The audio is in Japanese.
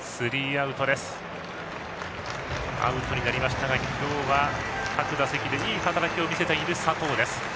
アウトになりましたが今日は各打席でいい働きを見せている佐藤。